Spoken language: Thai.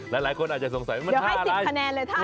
และหลายคนอาจจะสงสัยมันท่าอะไรสิบคะแนนเลยท่าน